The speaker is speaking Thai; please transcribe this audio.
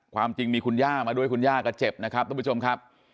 ความจริงมีคุณย่ามาด้วยคุณย่าก็เจ็บนะครับทุกผู้ชมครับ